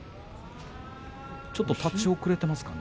ちょっと立ち遅れていますかね？